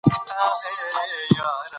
پیسې وسیله ده نه هدف.